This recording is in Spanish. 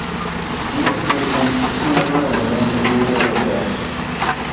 Die Friesen es miembro de la Alianza Libre Europea.